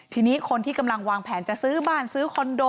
ทีนี้คนที่กำลังวางแผนจะซื้อบ้านซื้อคอนโด